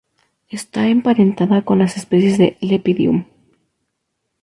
Está emparentada con las especies de "Lepidium".